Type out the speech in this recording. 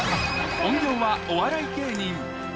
本業はお笑い芸人。